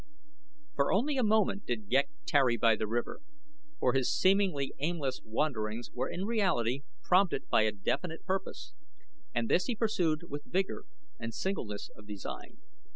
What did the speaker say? For only a moment did Ghek tarry by the river, for his seemingly aimless wanderings were in reality prompted by a definite purpose, and this he pursued with vigor and singleness of design.